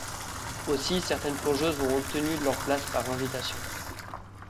Aussi, certaines plongeuses ont obtenu leurs places par invitation.